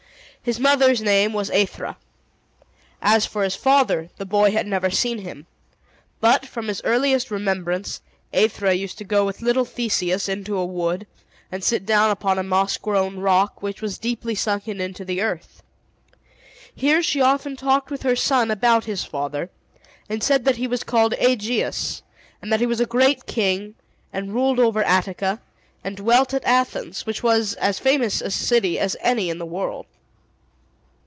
His mother's name was Aethra. As for his father, the boy had never seen him. But, from his earliest remembrance, Aethra used to go with little Theseus into a wood, and sit down upon a moss grown rock, which was deeply sunken into the earth. Here she often talked with her son about his father, and said that he was called Aegeus, and that he was a great king, and ruled over Attica, and dwelt at Athens, which was as famous a city as any in the world.